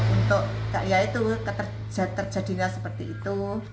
untuk kayak itu terjadinya seperti itu